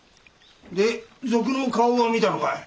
で賊の顔は見たのかい？